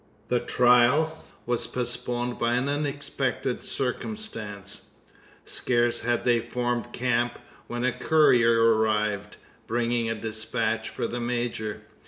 The trial was postponed by an unexpected circumstance. Scarce had they formed camp, when a courier arrived, bringing a despatch for the major.